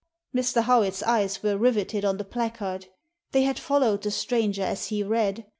Mr. Howitt's eyes were riveted on the placard. They had followed the stranger as he read.